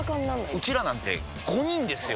ウチらなんて５人ですよ！